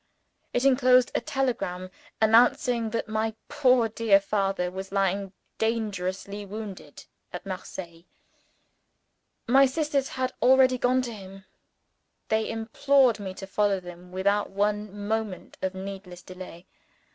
It enclosed a telegram, announcing that my poor dear father was lying dangerously wounded at Marseilles. My sisters had already gone to him: they implored me to follow them without one moment of needless delay.